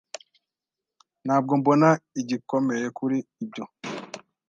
Ntabwo mbona igikomeye kuri ibyo.